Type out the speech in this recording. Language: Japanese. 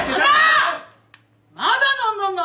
まだ飲んどんの？